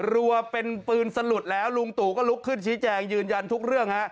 รัวเป็นปืนสลุดแล้วลุงตู่ก็ลุกขึ้นชี้แจงยืนยันทุกเรื่องฮะ